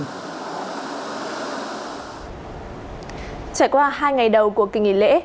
trải qua hai ngày đầu của kỳ nghỉ lễ